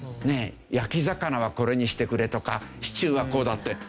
焼き魚はこれにしてくれとかシチューはこうだって。